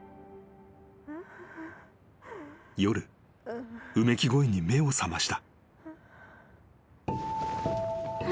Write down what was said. ［夜うめき声に目を覚ました］